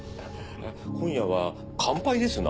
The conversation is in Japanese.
今夜は乾杯ですな。